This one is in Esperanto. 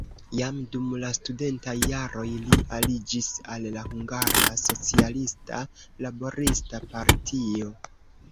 Jam dum la studentaj jaroj li aliĝis al la Hungara Socialista Laborista Partio.